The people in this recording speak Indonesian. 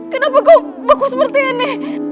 kenapa beku seperti ini